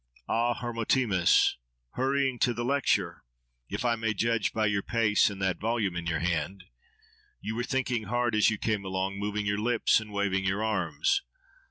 — "Ah! Hermotimus! Hurrying to lecture! —if I may judge by your pace, and that volume in your hand. You were thinking hard as you came along, moving your lips and waving your arms.